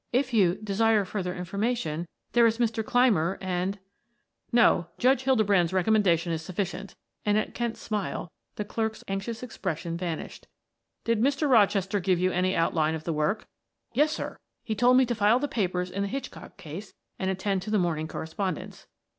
"If you, desire further information there is Mr. Clymer and " "No, Judge Hildebrand's recommendation is sufficient." And at Kent's smile the clerk's anxious expression vanished. "Did Mr. Rochester give you any outline of the work?" "Yes, sir; he told me to file the papers in the Hitchcock case, and attend to the morning correspondence."